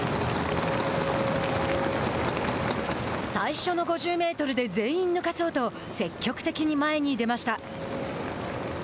最初の５０メートルで全員抜かそうと積極的に前に出ました。